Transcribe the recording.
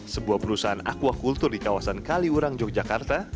sebuah perusahaan aquacultur di kawasan kaliurang yogyakarta